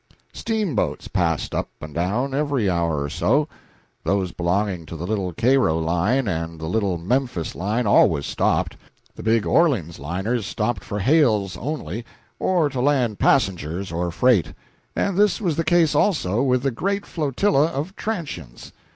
Steamboats passed up and down every hour or so. Those belonging to the little Cairo line and the little Memphis line always stopped; the big Orleans liners stopped for hails only, or to land passengers or freight; and this was the case also with the great flotilla of "transients."